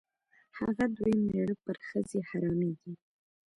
هغه دویم مېړه پر ښځې حرامېږي.